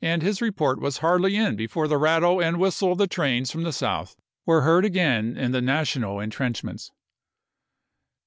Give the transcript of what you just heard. his report was hardly in before the rattle and whistle of the trains from the south were heard again in the National intrenchments.